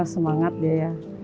semangat dia ya